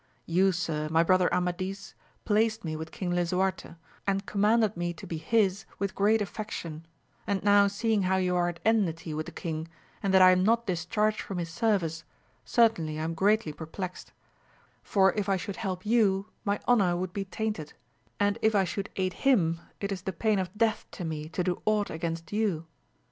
You sir my brother Amadis placed me with King Lisuarte, and commanded me to be his with great affection ; and now seeing how you are at enmity with the king, and that I am not discharged from his service, cer tainly I am greatly perplexed ; for if I should help you, my honour would be tainted, and if I should aid him, it is the pain of death to me to do aught against you.